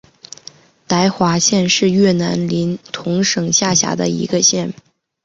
达怀县是越南林同省下辖的一个县。